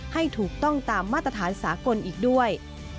ให้ถูกต้องตามมาตรฐานสากลอีกด้วย